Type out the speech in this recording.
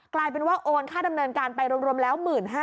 กลายเป็นว่าโอนค่าดำเนินการไปรวมแล้ว๑๕๐๐